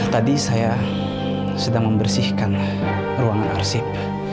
tadi saya sedang membersihkan ruangan arsip